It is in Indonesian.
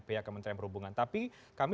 pihak kementerian perhubungan tapi kami